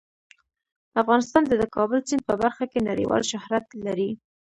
افغانستان د د کابل سیند په برخه کې نړیوال شهرت لري.